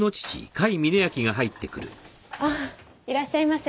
ああいらっしゃいませ。